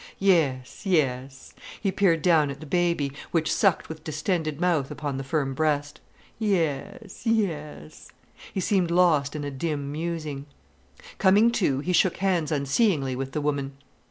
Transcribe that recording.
"Yes—yes"—he peered down at the baby, which sucked with distended mouth upon the firm breast. "Yes, yes." He seemed lost in a dim musing. Coming to, he shook hands unseeingly with the woman.